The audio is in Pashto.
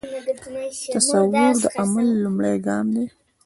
تصور د عمل لومړی ګام دی.